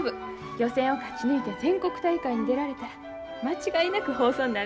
予選を勝ち抜いて全国大会に出られたら間違いなく放送になるんやから。